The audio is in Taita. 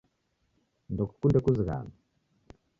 Ndokukunde kuzighanwa